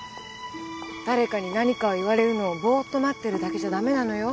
誰かに何かを言われるのをぼーっと待ってるだけじゃ駄目なのよ。